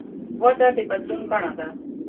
وده د بدلون بڼه ده.